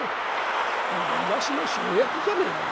何でえイワシの塩焼きじゃねえか」。